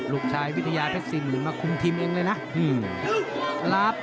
ลูกชายวิทยาพัศนีเห็นมาคุมทีมเองเลยนะ